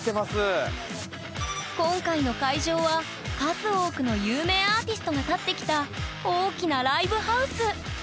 今回の会場は数多くの有名アーティストが立ってきた大きなライブハウス。